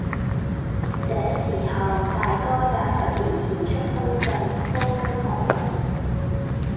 這時候，大哥也忽然顯出凶相，高聲喝道，